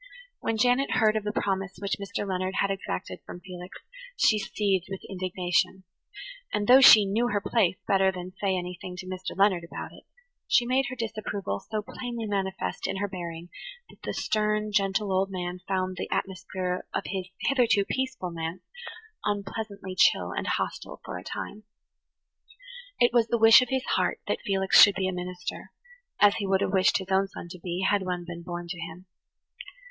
When Janet heard of the promise which Mr Leonard had exacted from Felix she seethed with indignation; and, though she "knew her place" better than say anything to Mr. Leonard about it, she made her disapproval so plainly manifest in her bearing that the stern, gentle old man found [Page 96] the atmosphere of his hitherto peaceful manse unpleasantly chill and hostile for a time. It was the wish of his heart that Felix should be a minister, as he would have wished his own son to be, had one been born to him.